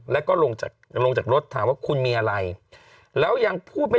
แล้วก็ลงจากลงจากรถถามว่าคุณมีอะไรแล้วยังพูดไม่